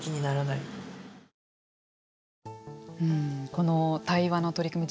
この対話の取り組み